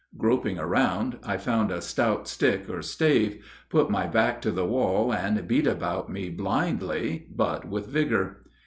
Groping around, I found a stout stick or stave, put my back to the wall, and beat about me blindly but with vigor.